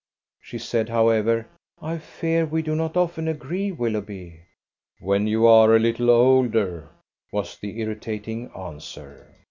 She said, however, "I fear we do not often agree, Willoughby." "When you are a little older!" was the irritating answer.